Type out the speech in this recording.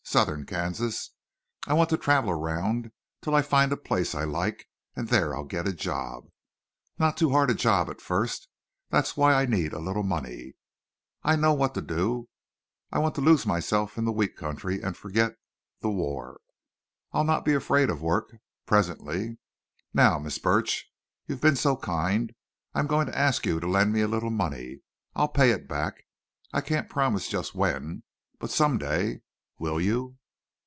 Southern Kansas. I want to travel around till I find a place I like, and there I'll get a job. Not too hard a job at first—that's why I'll need a little money. I know what to do. I want to lose myself in the wheat country and forget the—the war. I'll not be afraid of work, presently.... Now, Miss Burch, you've been so kind—I'm going to ask you to lend me a little money. I'll pay it back. I can't promise just when. But some day. Will you?"